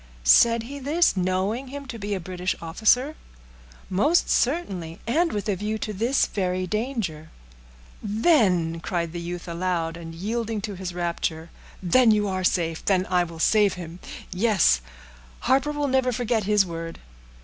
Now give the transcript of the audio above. "Said he this, knowing him to be a British officer?" "Most certainly; and with a view to this very danger." "Then," cried the youth aloud, and yielding to his rapture, "then you are safe—then will I save him; yes, Harper will never forget his word."